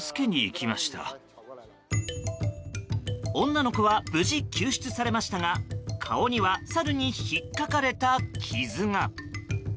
女の子は無事、救出されましたが顔にはサルに引っかかれた傷が。